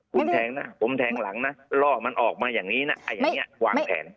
คุณแท้งหน้าผมแท้งหลังล่อมันออกมาอย่างนี้วางแผน